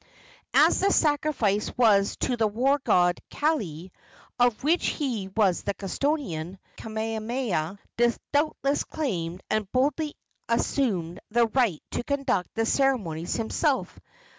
As the sacrifice was to the war god Kaili, of which he was the custodian, Kamehameha doubtless claimed and boldly assumed the right to conduct the ceremonies himself.